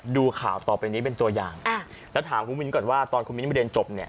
ดูข่าวต่อไปนี้เป็นตัวอย่างแล้วถามคุณมิ้นก่อนว่าตอนคุณมิ้นมาเรียนจบเนี่ย